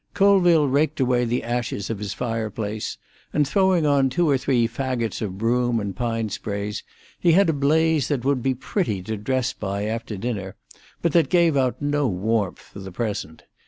Colville raked away the ashes of his fire place, and throwing on two or three fagots of broom and pine sprays, he had a blaze that would be very pretty to dress by after dinner, but that gave out no warmth for the present.